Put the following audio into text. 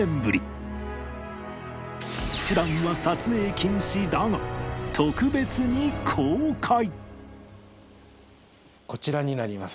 普段は撮影禁止だが特別に公開